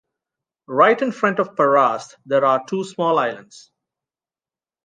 Right in front of Perast there are two small islands.